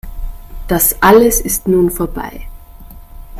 Das alles ist nun vorbei.